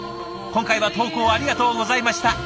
今回は投稿ありがとうございました。